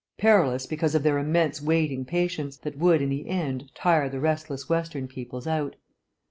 Perilous because of their immense waiting patience, that would, in the end, tire the restless Western peoples out.